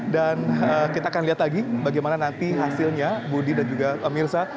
dan kita akan lihat lagi bagaimana nanti hasilnya budi dan juga mirza